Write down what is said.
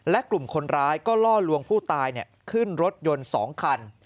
และกลุ่มคนร้ายก็ล่อลวงผู้ตายขึ้นรถยนต์๒คัน